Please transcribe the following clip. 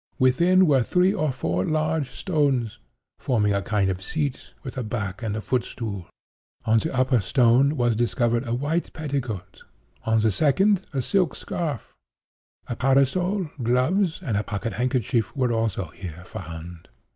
Within were three or four large stones, forming a kind of seat with a back and footstool. On the upper stone was discovered a white petticoat; on the second, a silk scarf. A parasol, gloves, and a pocket handkerchief, were also here found.